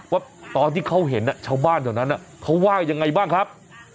ว่าตอนที่เขาเห็นชาวบ้านแถวนั้นเขาว่ายังไงบ้างครับ